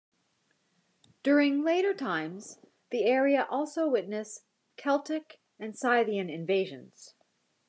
During later times, the area also witnessed Celtic and Scythian invasions.